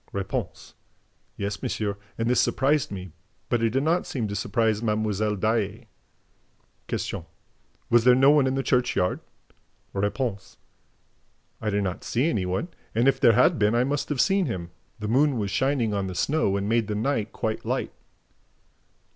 R. "Yes, monsieur, and this surprised me, but did not seem to surprise Mlle. Daae." Q. "Was there no one in the churchyard?" R. "I did not see any one; and, if there had been, I must have seen him. The moon was shining on the snow and made the night quite light."